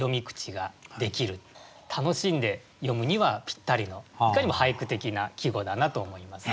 楽しんで詠むにはぴったりのいかにも俳句的な季語だなと思います。